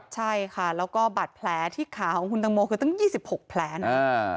ใช่ค่ะแล้วก็บาดแผลที่ขาของคุณตังโมคือตั้ง๒๖แผลนะ